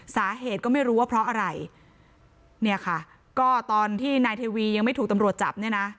สาเหตุก็ไม่รู้ว่าเพราะอะไรเนี่ยค่ะก็ตอนที่นายเทวียังไม่ถูกตำรวจจับเนี่ยนะ